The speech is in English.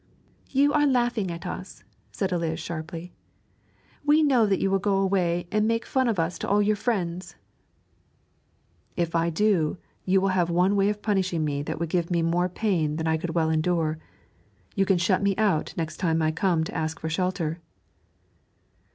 'You are laughing at us,' said Eliz sharply. 'We know that you will go away and make fun of us to all your friends.' 'If I do you will have one way of punishing me that would give me more pain than I could well endure, you can shut me out next time I come to ask for shelter.'